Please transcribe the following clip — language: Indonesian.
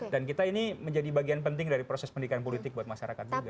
dan kita ini menjadi bagian penting dari proses pendidikan politik buat masyarakat juga